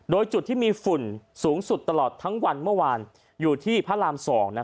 โดยจุดที่มีฝุ่นสูงสุดตลอดทั้งวันเมื่อวานอยู่ที่พระราม๒